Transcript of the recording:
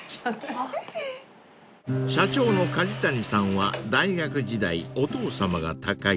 ［社長の梶谷さんは大学時代お父さまが他界］